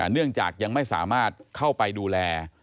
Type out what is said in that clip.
เนื่องจากยังไม่สามารถเข้าไปดูแล